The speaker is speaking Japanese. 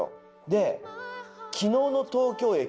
で昨日の東京駅